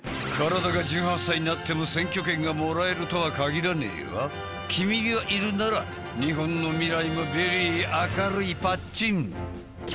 体が１８歳になっても選挙権がもらえるとは限らねえが君がいるなら日本の未来もベリー明るいパッチン！